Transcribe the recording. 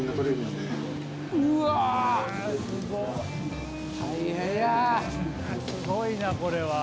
すごいなこれは。